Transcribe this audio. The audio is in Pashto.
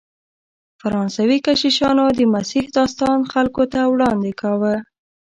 فرانسوي کشیشانو د مسیح داستان خلکو ته وړاندې کاوه.